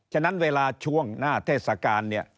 ฉะนั้นเวลาช่วงหน้าเทศกาล